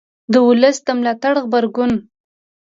د ولس د ملاتړ غبرګون